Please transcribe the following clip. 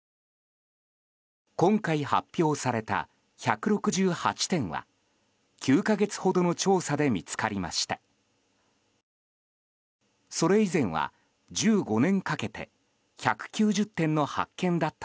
今回、発表された１６８点は９か月ほどの調査で見つかりました。